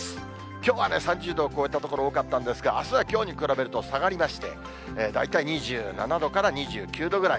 きょうは３０度を超えた所、多かったんですが、あすはきょうに比べると下がりまして、大体２７度から２９度ぐらい。